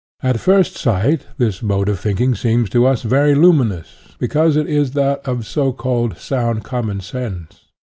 At first sight this mode of thinking seems to us very luminous, because it is that of so called sound commonsense.